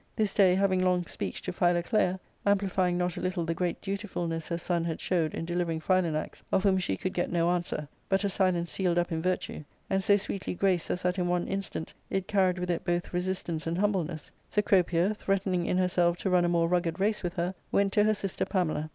This day, having long speech to Philoclea, amplifying not a little the great dutifulness her son had showed in delivering Philanax, of whom she could get no answer, but a silence sealed up in virtue, and so sweetly graced as that in one instant it carried with it both resistance and humbleness, Cecropia, threaten ing in herself to run a more rugged race with her, went to her sister Pamela.